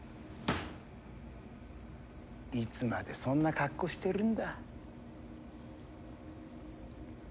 いつまでそんな格好してるんだ？